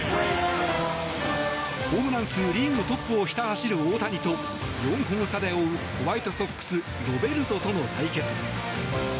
ホームラン数リーグトップをひた走る大谷と４本差で追う、ホワイトソックスロベルトとの対決。